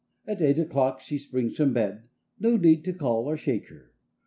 At eight o'clock she springs from bed No need to call or shake her.